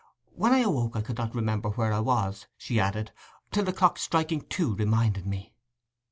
'When I awoke I could not remember where I was,' she added, 'till the clock striking two reminded me.